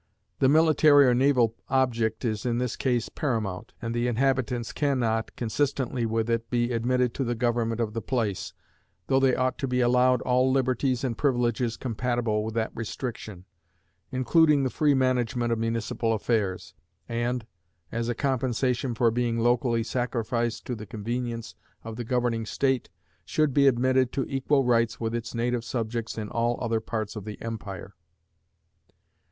The military or naval object is in this case paramount, and the inhabitants can not, consistently with it, be admitted to the government of the place, though they ought to be allowed all liberties and privileges compatible with that restriction, including the free management of municipal affairs, and, as a compensation for being locally sacrificed to the convenience of the governing state, should be admitted to equal rights with its native subjects in all other parts of the empire.